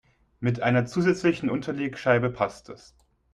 Mit einer zusätzlichen Unterlegscheibe passt es.